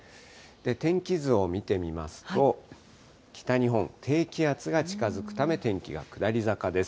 天気図を見てみますと、北日本、低気圧が近づくため、天気が下り坂です。